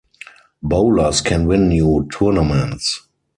Bowlers can win you tournaments.